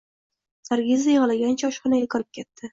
Nargiza yig`lagancha oshxonaga kirib ketdi